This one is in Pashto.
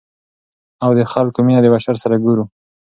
او د خلکو مينه د مشر سره ګورو ـ